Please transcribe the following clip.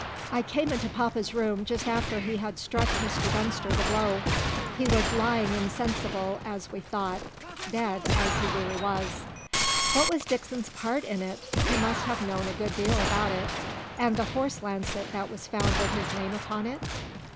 "I came into papa's room just after he had struck Mr. Dunster the blow. He was lying insensible, as we thought dead, as he really was." "What was Dixon's part in it? He must have known a good deal about it. And the horse lancet that was found with his name upon it?"